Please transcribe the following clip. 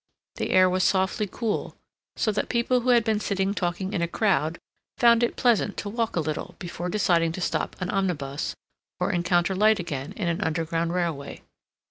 The air was softly cool, so that people who had been sitting talking in a crowd found it pleasant to walk a little before deciding to stop an omnibus or encounter light again in an underground railway.